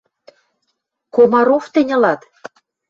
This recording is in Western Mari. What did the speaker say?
Комаров тӹнь ылат!..